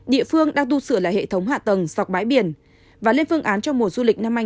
địa phương đang tu sửa lại hệ thống hạ tầng dọc bãi biển và lên phương án cho mùa du lịch năm hai nghìn hai mươi